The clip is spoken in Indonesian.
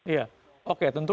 iya oke tentu